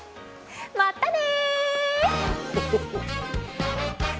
まったね！